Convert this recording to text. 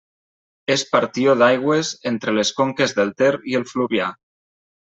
És partió d'aigües entre les conques del Ter i el Fluvià.